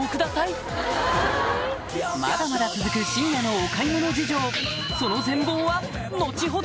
まだまだ続く深夜のお買い物事情その全貌